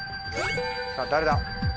さぁ誰だ？